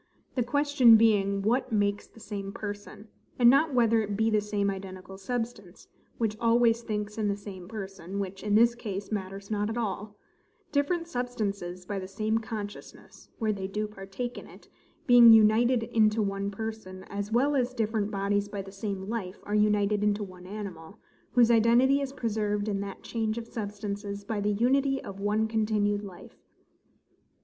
The question being what makes the same person; and not whether it be the same identical substance, which always thinks in the same person, which, in this case, matters not at all: different substances, by the same consciousness (where they do partake in it) being united into one person, as well as different bodies by the same life are united into one animal, whose identity is preserved in that change of substances by the unity of one continued life.